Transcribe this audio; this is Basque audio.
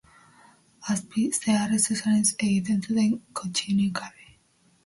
Azpiz, zeharrez, esanezez egiten zuten kontsignek bide.